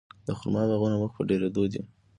د خرما باغونه مخ په ډیریدو دي.